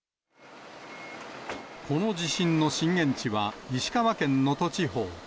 この地震の震源地は石川県能登地方。